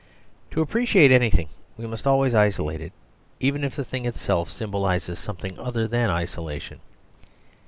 To appreciate anything we must always isolate it, even if the thing itself symbolise something other than isolation.